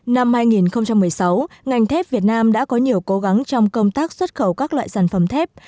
năm hai nghìn một mươi sáu ngành thép việt nam đã có nhiều cố gắng trong công tác xuất khẩu các loại sản phẩm thép